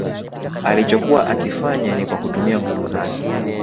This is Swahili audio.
Alichokuwa akifanya ni kwa kutumia nguvu zake